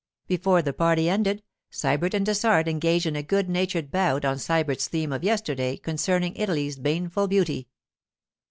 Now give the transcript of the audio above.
Before the party ended, Sybert and Dessart engaged in a good natured bout on Sybert's theme of yesterday concerning Italy's baneful beauty.